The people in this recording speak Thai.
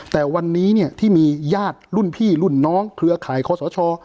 แต่วันนี้ที่มีญาติรุ่นพี่รุ่นน้องเครือข่ายคอสช